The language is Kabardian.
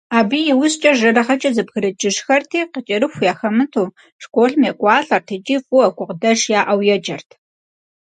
Абы иужькӏэ жэрыгъэкӏэ зэбгрыкӏыжхэрти, къыкӏэрыху яхэмыту, школым екӏуалӏэрт икӏи фӏыуэ, гукъыдэж яӏэу еджэрт.